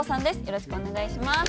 よろしくお願いします。